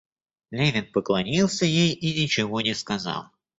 Левин поклонился ей и ничего не сказал.